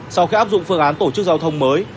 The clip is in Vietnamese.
sau khi áp dụng phương án tổ chức giao thông mới